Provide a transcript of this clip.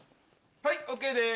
はいＯＫです！